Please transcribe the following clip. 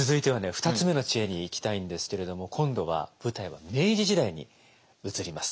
２つ目の知恵にいきたいんですけれども今度は舞台は明治時代に移ります。